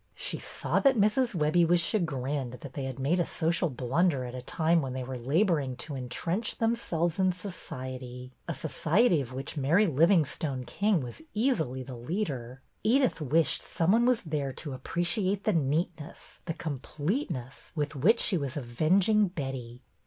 She saw that Mrs. Webbie was chagrined that they had made a social blunder at a time when they were laboring to entrench themselves in society, — a society of which Mary Livingstone King was easily the leader. Edyth wished some one was there to appreciate the neatness, the com pleteness, with which she was avenging Betty.